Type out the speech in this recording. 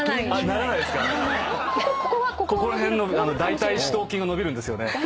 ここら辺の大腿四頭筋が伸びるんですよね。